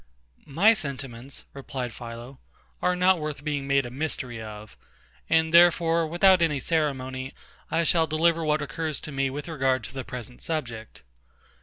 My sentiments, replied PHILO, are not worth being made a mystery of; and therefore, without any ceremony, I shall deliver what occurs to me with regard to the present subject.